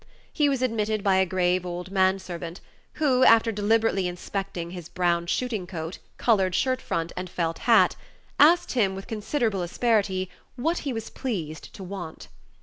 He was admitted by a grave old man servant, who, after deliberately inspecting his brown shooting coat, colored shirt front, and felt hat, asked him, with considerable asperity, what he was pleased to want.